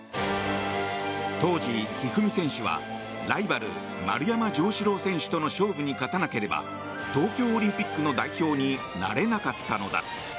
当時、一二三選手はライバル丸山城志郎選手との勝負に勝たなければ東京オリンピックの代表になれなかったのだ。